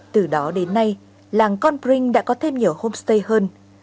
từ đó đến nay làng con prinh đã có thêm nhiều homestay hơn